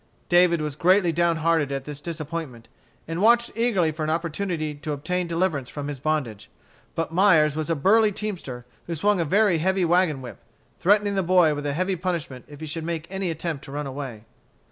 David was greatly down hearted at this disappointment, and watched eagerly for an opportunity to obtain deliverance from his bondage. But Myers was a burly teamster who swung a very heavy wagon whip, threatening the boy with a heavy punishment if he should make any attempt to run away.